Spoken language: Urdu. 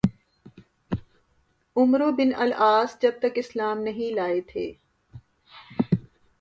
عمرو بن العاص جب تک اسلام نہیں لائے تھے